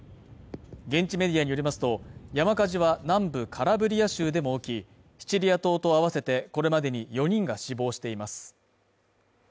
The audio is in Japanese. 現地メディアによりますと山火事は南部カラブリア州でも起きシチリア島と合わせてこれまでに４人が死亡しています